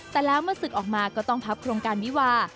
แต่แล้วเมื่อศึกออกมาก็ต้องพับโครงการวิวา